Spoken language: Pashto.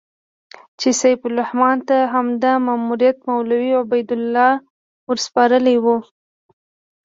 چې سیف الرحمن ته همدا ماموریت مولوي عبیدالله ورسپارلی و.